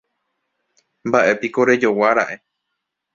Mba'épiko rejoguára'e.